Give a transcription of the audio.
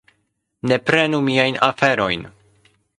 Ne prenu miajn aferojn!